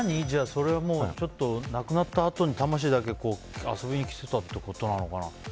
それは亡くなったあとに魂だけ遊びに来てたってことなのかな。